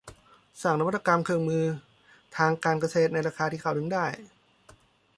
สร้างนวัตกรรมเครื่องมือทางการเกษตรในราคาที่เข้าถึงได้